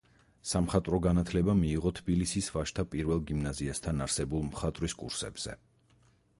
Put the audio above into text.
სამხატვრო განათლება მიიღო თბილისის ვაჟთა პირველ გიმნაზიასთან არსებულ მხატვრის კურსებზე.